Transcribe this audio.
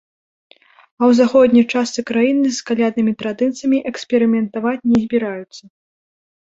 А ў заходняй частцы краіны з каляднымі традыцыямі эксперыментаваць не збіраюцца.